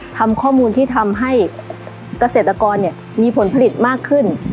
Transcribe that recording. ทำข้อมูลที่ทำให้เกษตรกรมีผลผลิตมากขึ้น